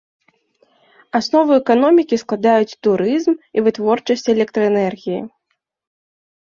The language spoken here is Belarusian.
Аснову эканомікі складаюць турызм і вытворчасць электраэнергіі.